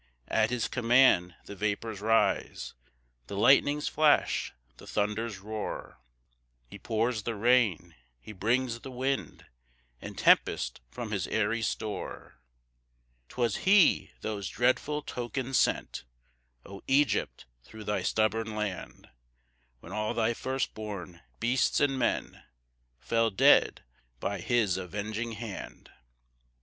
2 At his command the vapours rise, The lightnings flash, the thunders roar; He pours the rain, he brings the wind, And tempest from his airy store. 3 'Twas he those dreadful tokens sent, O Egypt thro' thy stubborn land; When all thy first born beasts and men Fell dead by his avenging hand.